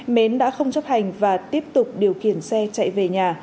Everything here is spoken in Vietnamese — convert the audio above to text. mến đã không chấp hành và tiếp tục điều khiển xe chạy về nhà